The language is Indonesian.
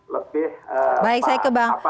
lebih baik saya ke